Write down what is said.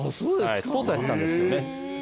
スポーツはやってたんですけどね。